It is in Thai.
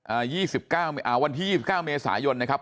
ยี่สิบเก้าอ่าวันที่ยี่สิบเก้าเมษายนนะครับ